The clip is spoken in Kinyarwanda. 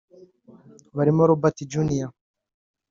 barimo Robert junior